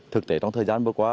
thực tế trong thời gian vừa qua